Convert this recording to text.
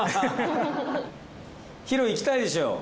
ヒロいきたいでしょ？